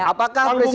apakah presiden jokowi